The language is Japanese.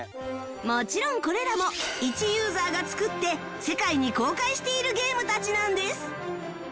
もちろんこれらもいちユーザーが作って世界に公開しているゲームたちなんです